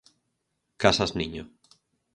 Casas niño.